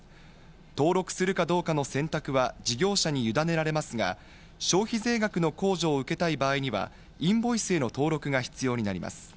登録するかどうかの選択は、事業者に委ねられますが、消費税額の控除を受けたい場合には、インボイスへの登録が必要になります。